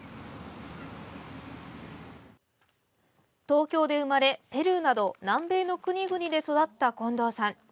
東京で生まれ、ペルーなど南米の国々で育った近藤さん。